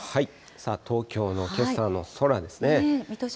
さあ、東京のけさの空ですね。